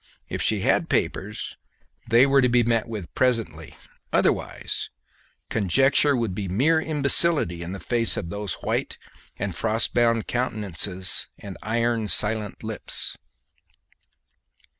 If she had papers they were to be met with presently; otherwise, conjecture would be mere imbecility in the face of those white and frost bound countenances and iron silent lips.